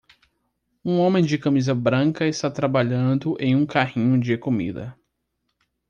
Um homem de camisa branca está trabalhando em um carrinho de comida.